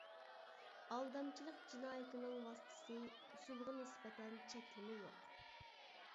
ئالدامچىلىق جىنايىتىنىڭ ۋاسىتىسى، ئۇسۇلىغا نىسبەتەن چەكلىمە يوق.